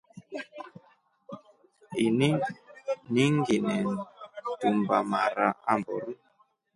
Ini ninginetumba mara amburu.